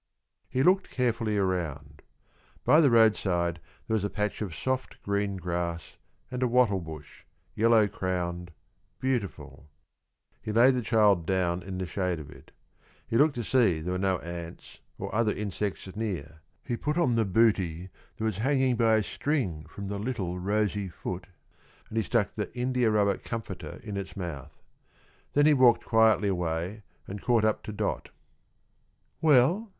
He looked carefully around. By the roadside there was a patch of soft, green grass, and a wattle bush, yellow crowned, beautiful. He laid the child down in the shade of it, he looked to see there were no ants or other insects near; he put on the bootee that was hanging by a string from the little rosy foot, and he stuck the india rubber comforter in its mouth. Then he walked quietly away and caught up to Dot. "Well?"